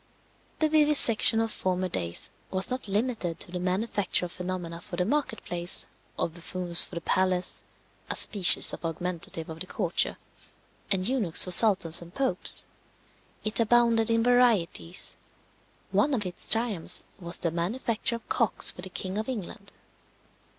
The vivisection of former days was not limited to the manufacture of phenomena for the market place, of buffoons for the palace (a species of augmentative of the courtier), and eunuchs for sultans and popes. It abounded in varieties. One of its triumphs was the manufacture of cocks for the king of England.